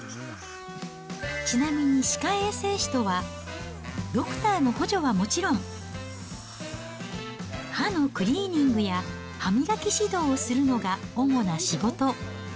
ちなみに、歯科衛生士とは、ドクターの補助はもちろん、歯のクリーニングや歯磨き指導をするのが主な仕事。